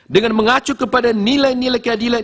dengan mengacu kepada nilai nilai keadilan